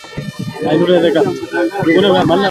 amepata mapendekezo kadhaa ambayo